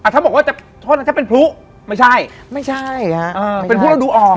ถ้าบอกว่าจะเป็นภู